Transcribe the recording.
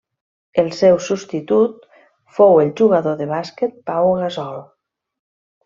El seu substitut fou el jugador de bàsquet Pau Gasol.